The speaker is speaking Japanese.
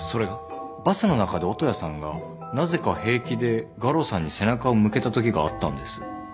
バスの中でオトヤさんがなぜか平気でガロさんに背中を向けたときがあったんです。